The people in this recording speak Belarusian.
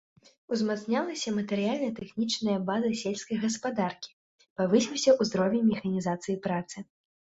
Узмацнялася матэрыяльна-тэхнічная база сельскай гаспадаркі, павысіўся ўзровень механізацыі працы.